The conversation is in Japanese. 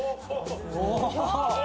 「お！」